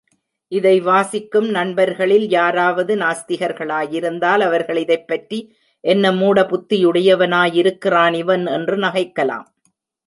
இதை வாசிக்கும் நண்பர்களில், யாராவது நாஸ்திகர்களாயிருந்தால் அவர்கள் இதைப்பற்றி என்ன மூட புத்தியுடையவனாயிருக்கிறான் இவன் என்று நகைக்கலாம்.